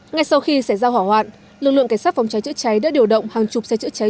ngay sau khi xảy ra hỏa hoạn lực lượng cảnh sát phòng cháy chữa cháy đã điều động hàng chục xe chữa cháy